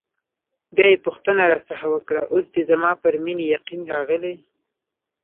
بیا یې پوښتنه راڅخه وکړه: اوس دې زما پر مینې یقین راغلی؟